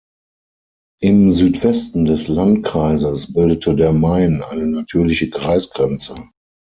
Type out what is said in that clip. Im Südwesten des Landkreises bildete der Main eine natürliche Kreisgrenze.